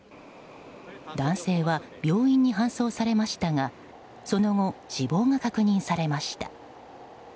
男性は病院に搬送されましたがその後、死亡が確認されました。